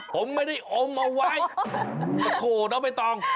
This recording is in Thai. ผมไม่ได้อมเอาไว้โถ่ไม่ต้อง